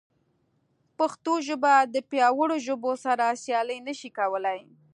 پښتو ژبه د پیاوړو ژبو سره سیالي نه شي کولی.